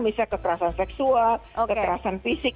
misalnya kekerasan seksual kekerasan fisik